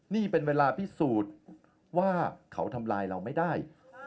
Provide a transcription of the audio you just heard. นี่เป็นเวลาพิสูจน์ว่าเขาทำลายเราไม่ได้